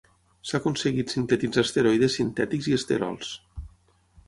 S’ha aconseguit sintetitzar esteroides sintètics i esterols.